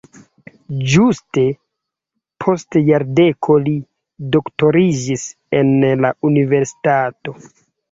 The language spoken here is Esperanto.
Ĝuste post jardeko li doktoriĝis en la universitato.